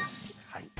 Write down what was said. はい